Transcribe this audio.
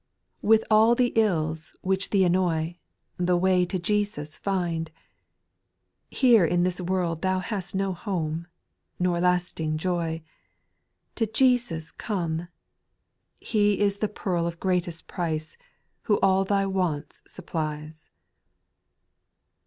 With all the ills which thee annoy, The way to Jesus find : Here in this world thoa hast no home^ Nor lasting joy ;— to Jesus come ;— He is the pearl of greatest price, Who all thy wants supplies, j 2.